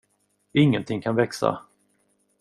Ingenting kan växa.